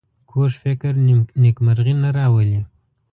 کوږ فکر نېکمرغي نه راولي